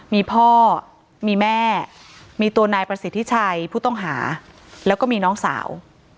มีพ่อมีแม่มีตัวนายประสิทธิชัยผู้ต้องหาแล้วก็มีน้องสาว